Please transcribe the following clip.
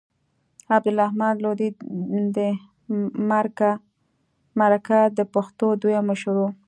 عبدالرحمن لودین د مرکه د پښتو دویم مشر و.